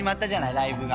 ライブが。